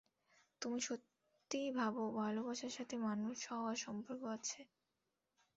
তুমি সত্যিই ভাবো ভালোবাসার সাথে মানুষ হওয়ার সম্পর্ক আছে?